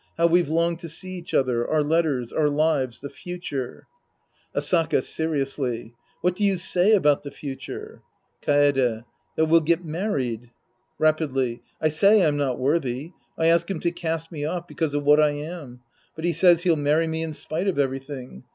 How we've longed to see each other, our letters, our lives, the future, — Asaka {seriously). What do you say about the future ? Kaede. That we'll get married. {Rapidly.) I say I'm not worthy. I ask him to cast me off because of what I am. But he says he'll many me in spite of eveiything.